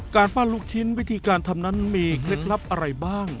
การปั้นลูกชิ้นวิธีการทำนั้นมีเคล็ดลับอะไรบ้าง